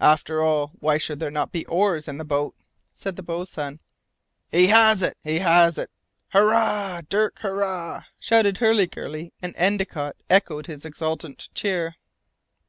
"After all, why should there not be oars in the boat?" said the boatswain. [Illustration: William Guy.] "He has it! He has it! Hurrah, Dirk, hurrah!" shouted Hurliguerly, and Endicott echoed his exultant cheer.